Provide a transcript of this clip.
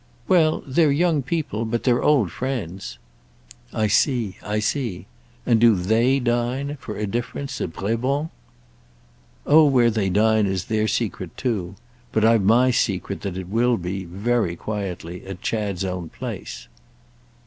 "Well, they're young people—but they're old friends." "I see, I see. And do they dine—for a difference—at Brébant's?" "Oh where they dine is their secret too. But I've my idea that it will be, very quietly, at Chad's own place."